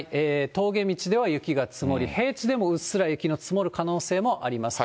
峠道では雪が積もり、平地でもうっすら雪の積もる可能性があります。